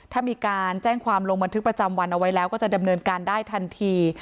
ถ้ามีการแจ้งความลงบันทึกประจำวันเอาไว้แล้วก็จะดำเนินการได้ทันที